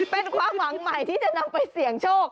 เป็นความหวังใหม่ที่จะนำไปเสี่ยงโชค